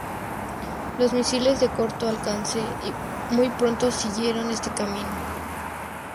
Los misiles de corto alcance muy pronto siguieron este camino.